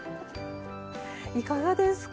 いかがですか？